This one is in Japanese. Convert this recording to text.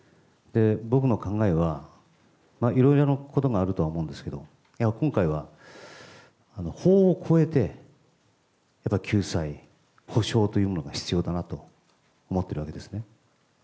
僕の考えは、いろいろなことがあるとは思うんですけれども、今回は法を超えて、やっぱり救済、補償というものが必要かなと思ってるわけですね。